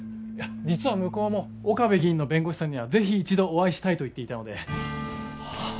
実は向こうも岡部議員の弁護士さんにはぜひ一度お会いしたいと言っていたのではあ？